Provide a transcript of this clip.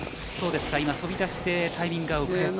飛び出してタイミングが。